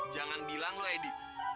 jangan bilang lu edi